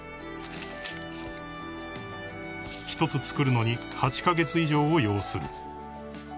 ［１つ作るのに８カ月以上を要する］